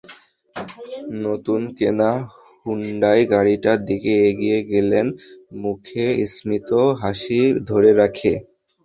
নতুন কেনা হুন্দাই গাড়িটার দিকে এগিয়ে গেলেন মুখে স্মিত হাসি ধরে রেখে।